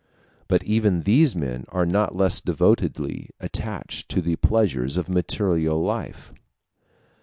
But even these men are not less devotedly attached to the pleasures of material life.